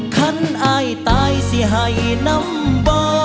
ฉันอายตายสิไห่น้ำบ่